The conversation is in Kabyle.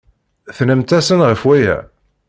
Tennamt-asent ɣef waya?